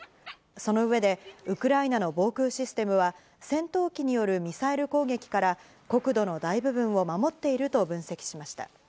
その上で、ウクライナの防空システムは、戦闘機によるミサイル攻撃から、国土の大部分を守っていると分析しました。